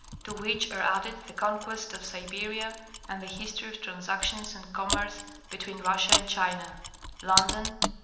To which are added the Conquest of Siberia, and the history of the transactions and commerce between Russia and China, [ete.